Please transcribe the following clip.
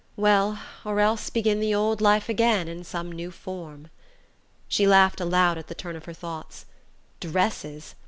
Well, or else begin the old life again in some new form.... She laughed aloud at the turn of her thoughts. Dresses?